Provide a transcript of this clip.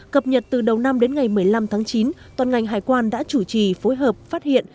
cập nhật từ đầu năm đến ngày một mươi năm tháng chín toàn ngành hải quan đã chủ trì phối hợp phát hiện